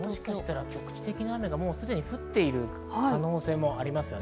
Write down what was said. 局地的な雨が降っている可能性もあります。